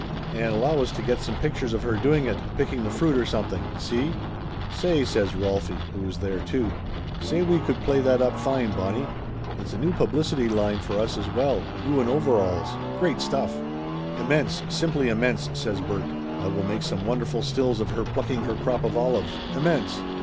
And allow us to get some pictures of her doing it, picking the fruit or something, see?" "Say," says Rolfie, who was there too "say, we could play that up fine, Bonnie. It's a new publicity line for us as well. You in overalls. Great stuff !" "Immense, simply immense!" says Bert. "I will make some wonderful stills of her plucking her crop of olives. Immense!"